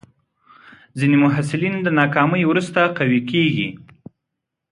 ځینې محصلین د ناکامۍ وروسته قوي کېږي.